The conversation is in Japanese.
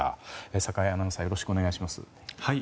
榮アナウンサーよろしくお願いします。